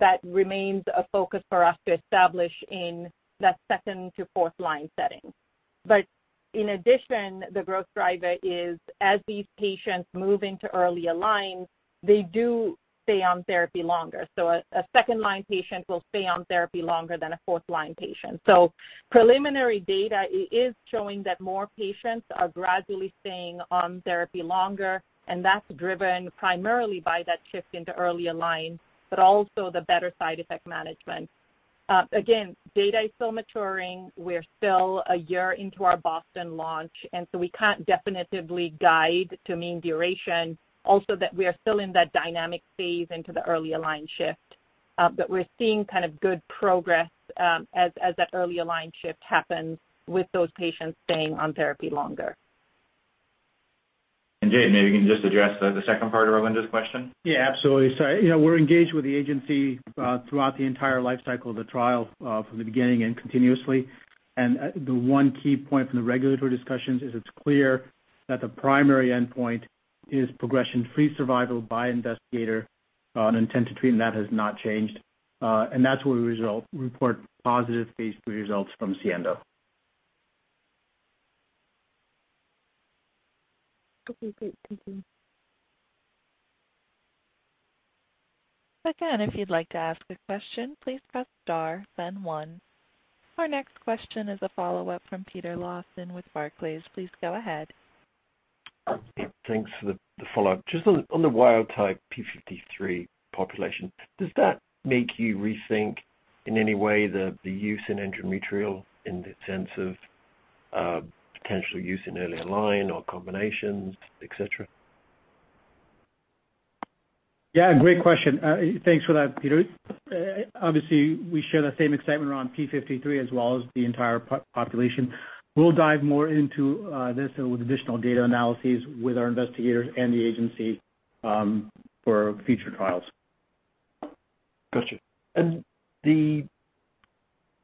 that remains a focus for us to establish in that second to fourth line setting. In addition, the growth driver is as these patients move into earlier lines, they do stay on therapy longer. A second line patient will stay on therapy longer than a fourth line patient. Preliminary data is showing that more patients are gradually staying on therapy longer, and that's driven primarily by that shift into earlier lines, but also the better side effect management. Again, data is still maturing. We're still a year into our Boston launch, and so we can't definitively guide to mean duration. Also, that we are still in that dynamic phase into the earlier line shift, but we're seeing kind of good progress, as that earlier line shift happens with those patients staying on therapy longer. Jay, maybe you can just address the second part of Arlinda's question. Yeah, absolutely. You know, we're engaged with the agency throughout the entire life cycle of the trial from the beginning and continuously. The one key point from the regulatory discussions is it's clear that the primary endpoint is progression-free survival by investigator and intent to treat, and that has not changed. That's where we report positive phase III results from SIENDO. Okay, great. Thank you. Our next question is a follow-up from Peter Lawson with Barclays. Please go ahead. Hey, thanks for the follow-up. Just on the wild-type P53 population, does that make you rethink in any way the use in endometrial in the sense of potential use in earlier line or combinations, et cetera? Yeah, great question. Thanks for that, Peter. Obviously, we share that same excitement around P53 as well as the entire population. We'll dive more into this with additional data analyses with our investigators and the agency for future trials. Got you.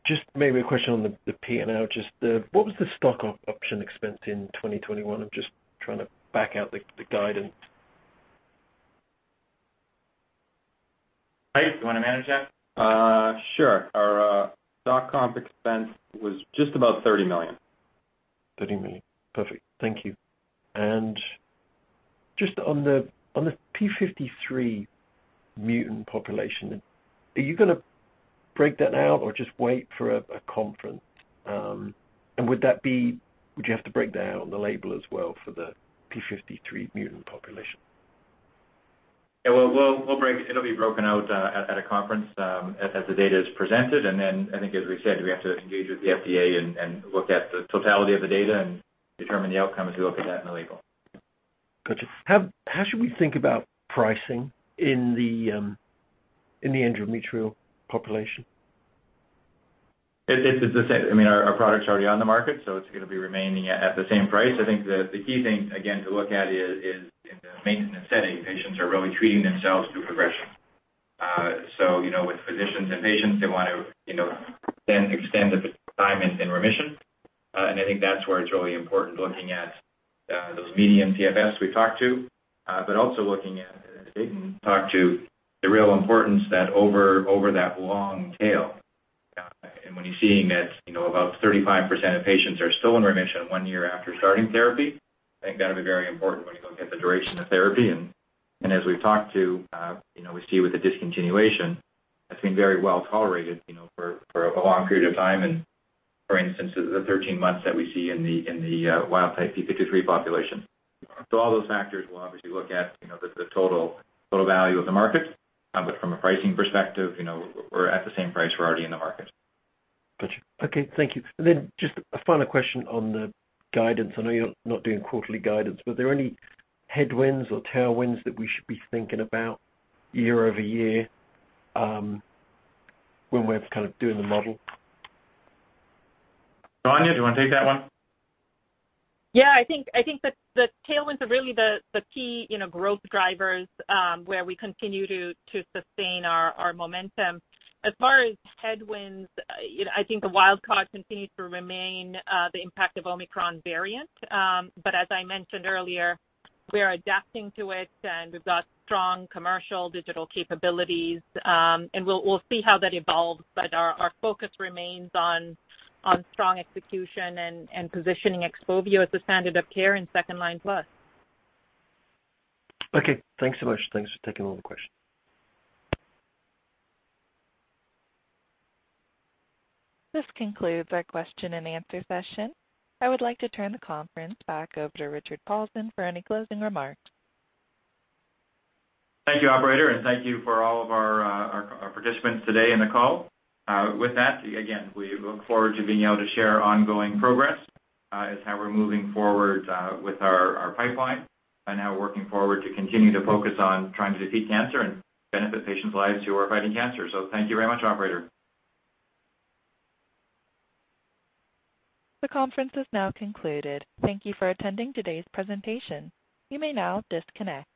Just maybe a question on the P&L, just what was the stock option expense in 2021? I'm just trying to back out the guidance. Mike, you wanna manage that? Sure. Our stock comp expense was just about $30 million. $30 million. Perfect. Thank you. Just on the P53 mutant population, are you gonna break that out or just wait for a conference? Would you have to break that out on the label as well for the P53 mutant population? Yeah. It'll be broken out at a conference as the data is presented. Then I think, as we said, we have to engage with the FDA and look at the totality of the data and determine the outcome as we look at that in the label. Gotcha. How should we think about pricing in the endometrial population? It's the same. I mean, our product's already on the market, so it's gonna be remaining at the same price. I think the key thing again to look at is in the maintenance setting, patients are really treating themselves through progression. So, with physicians and patients, they want to then extend the time in remission. I think that's where it's really important looking at those median PFS we talked about, but also looking at, [AUDIO DISTORTION] the real importance that over that long tail. When you're seeing that, about 35% of patients are still in remission one year after starting therapy, I think that'll be very important when you look at the duration of therapy. As we've talked to, we see with the discontinuation, that's been very well tolerated for a long period of time and, for instance, the 13 months that we see in the wild-type P53 population. All those factors we'll obviously look at the total value of the market, but from a pricing perspective, we're at the same price we're already in the market. Gotcha. Okay, thank you. Just a final question on the guidance. I know you're not doing quarterly guidance, but are there any headwinds or tailwinds that we should be thinking about year over year, when we're kind of doing the model? Sohanya, do you wanna take that one? Yeah. I think the tailwinds are really the key growth drivers where we continue to sustain our momentum. As far as headwinds, I think the wildcard continues to remain the impact of Omicron variant. As I mentioned earlier, we are adapting to it, and we've got strong commercial digital capabilities. We'll see how that evolves. Our focus remains on strong execution and positioning XPOVIO as a standard of care in second-line plus. Okay. Thanks so much. Thanks for taking all the questions. This concludes our question and answer session. I would like to turn the conference back over to Richard Paulson for any closing remarks. Thank you, operator, and thank you for all of our participants today in the call. With that, again, we look forward to being able to share our ongoing progress as how we're moving forward with our pipeline and how we're working forward to continue to focus on trying to defeat cancer and benefit patients' lives who are fighting cancer. Thank you very much, operator. The conference is now concluded. Thank you for attending today's presentation. You may now disconnect.